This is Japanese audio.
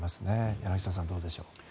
柳澤さん、どうでしょう。